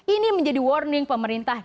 ini menjadi warning pemerintah